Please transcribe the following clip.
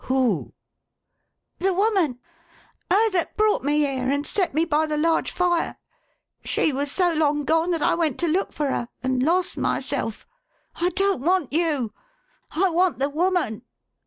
"Who?" "The woman. Her that brought me here, and set me by the large fire. She was so long gone, that I went to look for her, and lost myself. I don't want you. I want the woman."